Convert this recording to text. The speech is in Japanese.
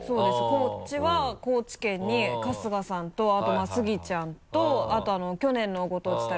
こっちは高知県に春日さんとあとまぁスギちゃんとあと去年のご当地タレント